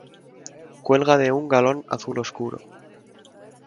Cuelga de un galón azul oscuro.